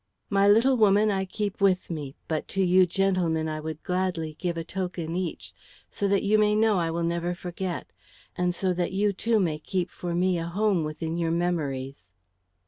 My little woman I keep with me, but to you gentlemen I would gladly give a token each, so that you may know I will never forget, and so that you too may keep for me a home within your memories."